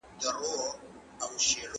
موږک 🐭